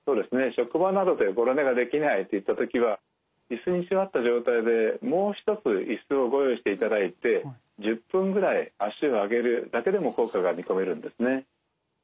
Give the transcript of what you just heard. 職場などでごろ寝ができないっていった時は椅子に座った状態でもう一つ椅子をご用意していただいて１０分ぐらい足を上げるだけでも効果が見込めるんですね。